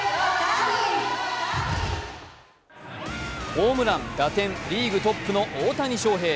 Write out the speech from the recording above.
ホームラン、打点、リーグトップの大谷翔平。